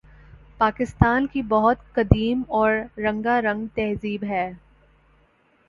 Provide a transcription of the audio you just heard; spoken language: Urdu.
پاکستان کی بہت قدیم اور رنگارنگ تہذیب ہے